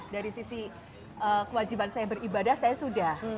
dari sisi kewajiban saya beribadah saya sudah